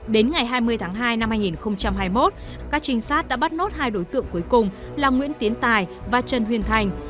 đến ngày hai mươi tháng hai năm hai nghìn hai mươi một các trinh sát đã bắt nốt hai đối tượng cuối cùng là nguyễn tiến tài và trần huyền thành